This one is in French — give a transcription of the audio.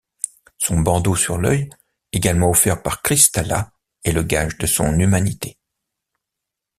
Son bandeau sur l'œil, également offert par Crystala, est le gage de son humanité.